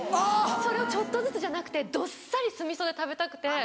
それをちょっとずつじゃなくてどっさり酢味噌で食べたくて。